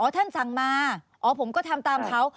ท่านสั่งมาอ๋อผมก็ทำตามเขา